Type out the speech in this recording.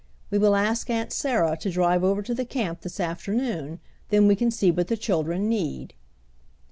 "We will ask Aunt Sarah to drive over to the camp this afternoon; then we can see what the children need."